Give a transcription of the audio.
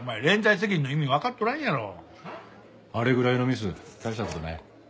あれぐらいのミス大した事ない。